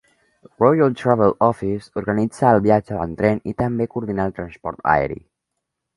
Royal Travel Office organitza el viatge en tren i també coordina el transport aeri.